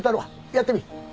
やってみ。